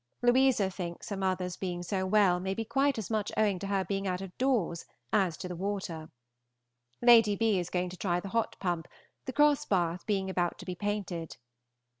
Louisa thinks her mother's being so well may be quite as much owing to her being so much out of doors as to the water. Lady B. is going to try the hot pump, the Cross bath being about to be painted.